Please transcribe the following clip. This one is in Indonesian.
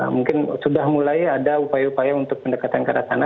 mungkin sudah mulai ada upaya upaya untuk pendekatan ke arah sana